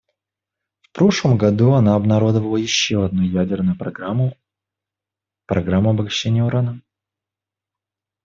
В прошлом году она обнародовала еще одну ядерную программу — программу обогащения урана.